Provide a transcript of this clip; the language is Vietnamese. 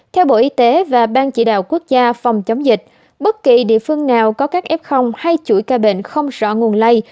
theo bộ y tế và ban chỉ đạo quốc gia phòng chống dịch bất kỳ địa phương nào có các f hay chuỗi ca bệnh không rõ nguồn lây